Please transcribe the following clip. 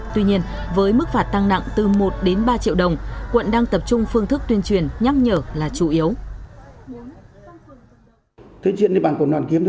tuy nhiên với mức phạt tăng nặng từ một đến ba triệu đồng quận đang tập trung phương thức tuyên truyền nhắc nhở là chủ yếu